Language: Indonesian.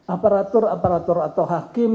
aparatur aparatur atau hakim